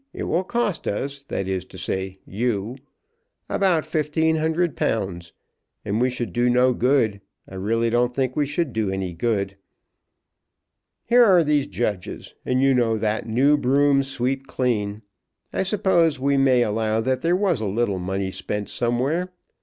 It will cost us, that is to say you, about £1,500, and we should do no good. I really don't think we should do any good. Here are these judges, and you know that new brooms sweep clean. I suppose we may allow that there was a little money spent somewhere.